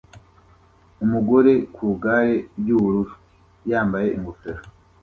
Umugore ku igare ry'ubururu yambaye ingofero